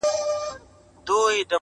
• حتی غزل، چي هر بیت یې، -